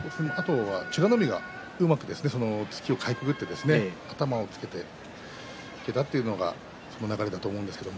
美ノ海が、うまく突きをかいくぐって頭をつけていったというのが流れだと思うんですが。